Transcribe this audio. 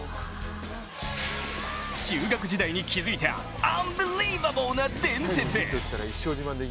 中学時代に築いたアンビリーバボーな伝説。